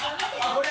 これ！